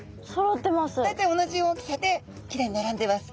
大体同じ大きさできれいにならんでます。